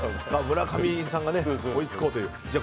村上さんが追い付こうという。